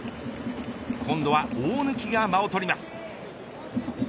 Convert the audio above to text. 今度は大貫が間を取ります。